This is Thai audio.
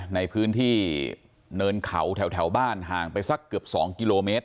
ในพื้นที่เนินเขาแถวบ้านห่างไปสักเกือบ๒กิโลเมตร